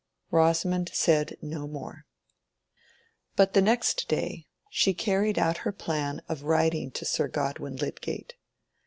Rosamond said no more. But the next day she carried out her plan of writing to Sir Godwin Lydgate.